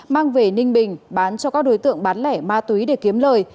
mang về ninh bình bán cho các đối tượng bán lẻ ma túy để kiếm lời